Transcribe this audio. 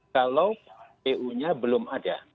kalau kpu nya belum ada